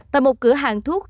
tại một cửa hàng thuốc